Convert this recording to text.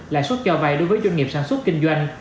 lãi suất cho vay đối với doanh nghiệp sản xuất kinh doanh